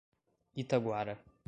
Itaguara